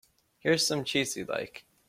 Here's some cheese you like.